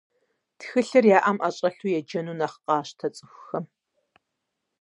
Тхылъыр я ӏэм ӏэщӏэлъу еджэну нэхъ къащтэ цӏыхухэм.